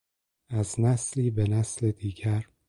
از نسلی به نسل دیگر